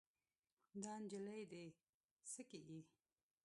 دا نجلۍ دې څه کيږي؟